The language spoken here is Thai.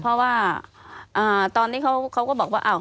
เพราะว่าตอนนี้เขาก็บอกว่า